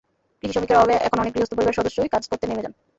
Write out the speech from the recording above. কৃষিশ্রমিকের অভাবে এখন অনেক গৃহস্থ পরিবারের সদস্যই কাজ করতে নেমে যান।